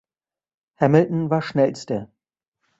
Hamilton war Schnellster.